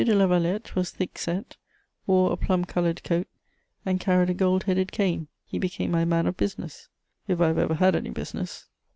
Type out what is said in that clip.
de Lavalette was thick set, wore a plum coloured coat, and carried a gold headed cane: he became my man of business, if I have ever had any business.